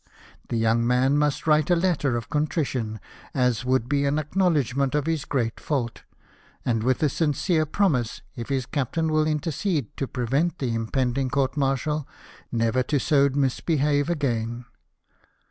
The young man must write such a letter of contrition as would be an acknowledgment of his great fault ; and with a sincere promise, if his captain will intercede to pre vent the impending court martial, never to so misbehave again.